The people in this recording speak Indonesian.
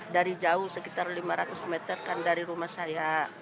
dari jauh sekitar lima ratus meter kan dari rumah saya